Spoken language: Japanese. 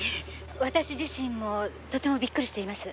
「私自身もとてもびっくりしています」